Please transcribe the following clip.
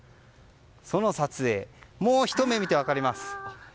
その撮影もうひと目見て分かります。